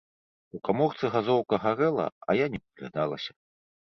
У каморцы газоўка гарэла, а я не прыглядалася.